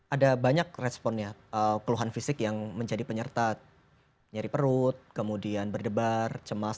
ada banyak responnya keluhan fisik yang menjadi penyerta nyari perut kemudian berdebar cemas